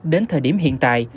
đến thời điểm hiện tại